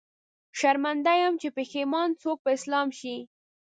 شرمنده يم، چې پښېمان څوک په اسلام شي